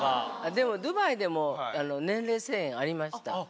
でもドバイでも年齢制限ありました。